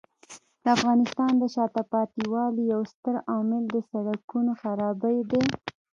د افغانستان د شاته پاتې والي یو ستر عامل د سړکونو خرابۍ دی.